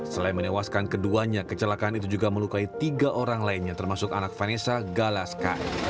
selain menewaskan keduanya kecelakaan itu juga melukai tiga orang lainnya termasuk anak vanessa galas k